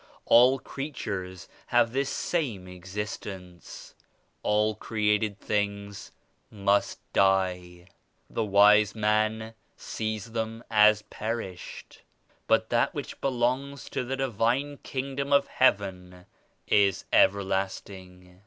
All creatures have this same existence; all created things must die. The wise man sees them as perished. But that which belongs to the Divine Kingdom of Heaven is everlasting.